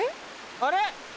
あれ！